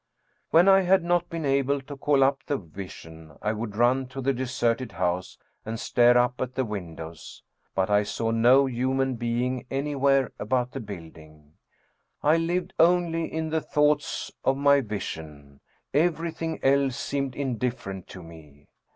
When I had not been able to call up the vision, I would run to the deserted house and stare up at the windows; but I saw no human being anywhere about the building. I lived only in thoughts of my vision; everything else seemed indifferent to me.